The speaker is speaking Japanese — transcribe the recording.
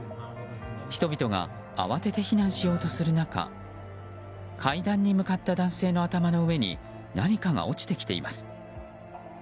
人々が慌てて避難しようとする中階段に向かった男性の頭の上に何かが落ちてきています。